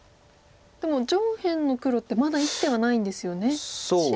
でも上辺の黒ってまだ生きてはないんですよね。